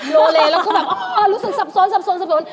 โลเลแล้วก็แบบโอ้โหรู้สึกซับซ้น